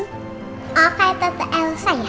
oh kayak tante elsa ya